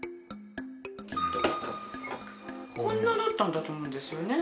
こんなだったと思うんですよね。